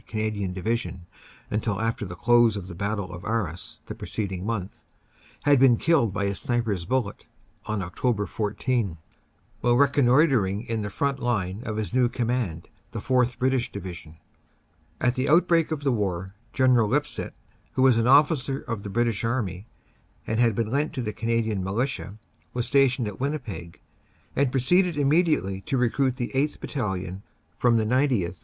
Canadian Division until after the close of the battle of Arras the preceding month, had been killed by a sniper s bullet on Oct. 14, while reconnoitering in the front line of his new command, the 4th British Division. At the outbreak of the war General Lipsett, who was an officer of the British Army and had been lent to the Cana dian Militia, was stationed at Winnipeg, and proceeded immediately to recruit the 8th. Battalion from the 90th.